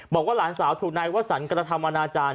บอกว่าหลานสาวถูกนายวสันกระทำอนาจารย